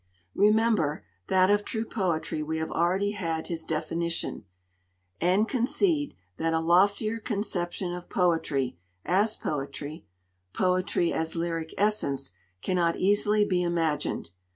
Remember, that of true poetry we have already had his definition; and concede, that a loftier conception of poetry as poetry, poetry as lyric essence, cannot easily be imagined.